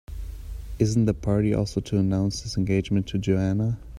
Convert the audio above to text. Isn't the party also to announce his engagement to Joanna?